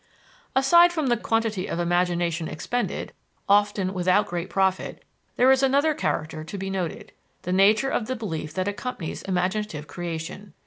Aside from the quantity of imagination expended, often without great profit, there is another character to be noted the nature of the belief that accompanies imaginative creation.